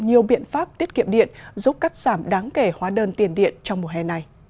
nhiều biện pháp tiết kiệm điện giúp cắt giảm đáng kể hóa đơn tiền điện trong mùa hè này